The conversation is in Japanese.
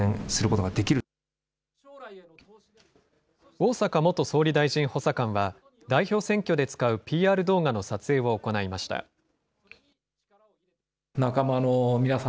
逢坂元総理大臣補佐官は、代表選挙で使うＰＲ動画の撮影を行いました。